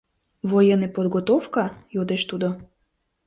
Военный подготовка? — йодеш тудо.